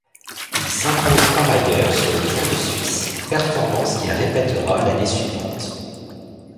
Il s'impose par ailleurs sur le Tour de Suisse, performance qu'il répètera l'année suivante.